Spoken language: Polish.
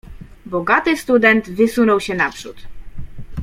"Bogaty student wysunął się naprzód."